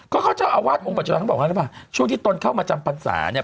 ก็เขาเจ้าอาวาสองค์ประชาติธรรมบอกอย่างนั้นช่วงที่ต้นเข้ามาจำปรรรษาเนี่ย